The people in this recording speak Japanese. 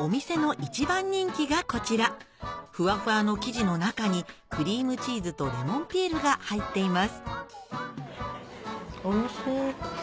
お店の一番人気がこちらフワフワの生地の中にクリームチーズとレモンピールが入っていますおいしい。